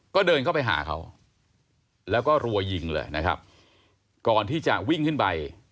ก็เดินเข้าไปหาเขาแล้วก็รัวยิงเลยนะครับก่อนที่จะวิ่งขึ้นไป